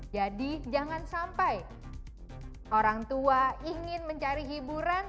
jangan sampai orang tua ingin mencari hiburan